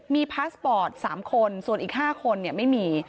มีพาสปอร์ต๓คนส่วนอีก๕คนไม่มี